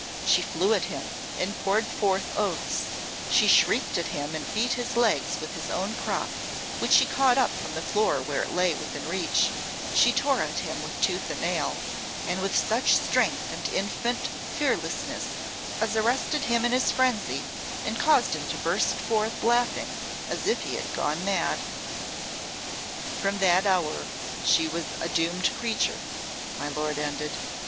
She flew at him and poured forth oaths, she shrieked at him and beat his legs with his own crop, which she caught up from the floor where it lay within reach, she tore at him with tooth and nail, and with such strength and infant fearlessness as arrested him in his frenzy and caused him to burst forth laughing as if he had gone mad. "From that hour she was a doomed creature," my Lord ended.